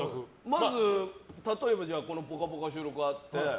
まず例えば「ぽかぽか」の収録があって。